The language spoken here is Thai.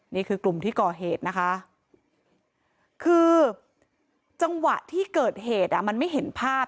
นี่คือกลุ่มที่ก่อเหตุนะคะคือจังหวะที่เกิดเหตุอ่ะมันไม่เห็นภาพ